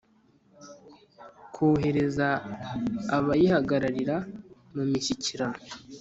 kohereza abayihagararira mu mishyikirano